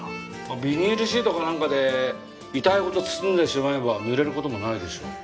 ビニールシートかなんかで遺体ごと包んでしまえば濡れることもないでしょう。